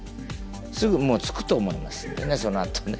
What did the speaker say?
すぐつくと思いますんでそのあとね。